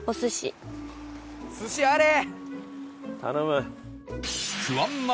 頼む。